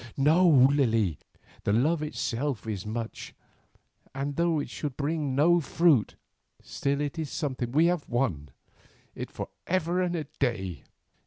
"No, Lily, the love itself is much, and though it should bring no fruit, still it is something to have won it for ever and a day."